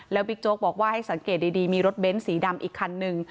บิ๊กโจ๊กบอกว่าให้สังเกตดีมีรถเบ้นสีดำอีกคันนึง